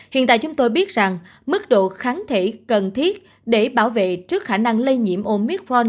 hiện tại chúng tôi biết rằng mức độ kháng thể cần thiết để bảo vệ trước khả năng lây nhiễm omitforn